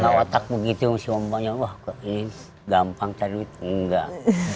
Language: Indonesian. maka otak begitu masih mampangnya wah ini gampang cari uang enggak